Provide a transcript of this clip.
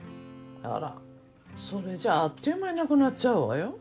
あらそれじゃああっという間になくなっちゃうわよ。